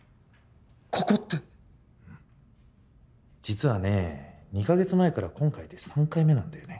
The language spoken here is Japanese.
ここってうん実はね２カ月前から今回で３回目なんだよね